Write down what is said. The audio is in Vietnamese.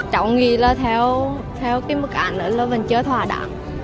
cháu nghĩ là theo cái mức án đó là mình chưa thoả đảm